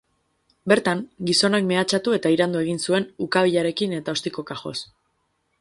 Bertan, gizonak mehatxatu eta iraindu egin zuen ukabilarekin eta ostikoka joz.